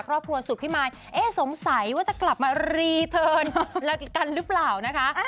ครอบครัวสุขพี่มายเอ๊ะสงสัยว่าจะกลับมารีเทิร์นแล้วกันหรือเปล่านะคะ